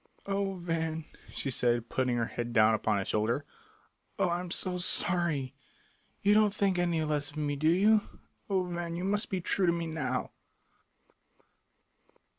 "Oh, Van," she said, putting her head down upon his shoulder, "oh, I am so sorry. You don't think any less of me, do you? Oh, Van, you must be true to me now!"